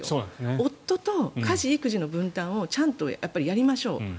夫と家事・育児の分担をちゃんとやりましょう。